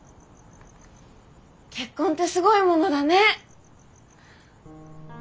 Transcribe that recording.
結婚ってすごいものだね。